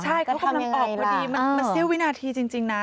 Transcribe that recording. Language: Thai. ใช่ก็พร้อมออกมาดีมันเซลวินาทีจริงน่ะ